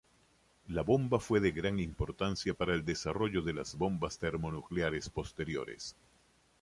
La bomba fue de gran importancia para el desarrollo de las bombas termonucleares posteriores.